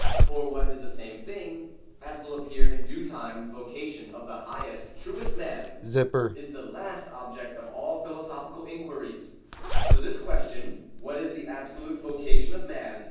or what is the same thing, as will appear in due time, the vocation of the highest, truest man? — is the object of all philosophical inquires ;— so this question, — What is the absolute vocation of man?